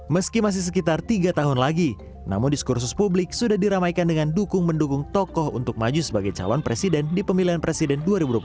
meski masih sekitar tiga tahun lagi namun diskursus publik sudah diramaikan dengan dukung mendukung tokoh untuk maju sebagai calon presiden di pemilihan presiden dua ribu dua puluh empat